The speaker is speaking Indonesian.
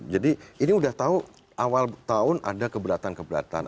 jadi ini udah tahu awal tahun ada keberatan keberatan